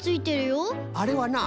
あれはな